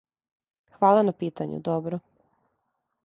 Хвала на питању, добро.